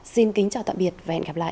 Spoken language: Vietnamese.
xin kính chào tạm biệt và hẹn gặp lại